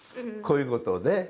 こういうことをね。